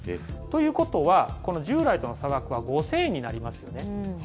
ということは、従来との差額は５０００円になりますよね。